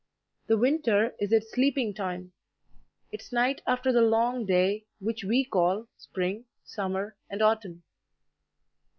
The winter is its sleeping time its night after the long day which we call spring, summer, and autumn.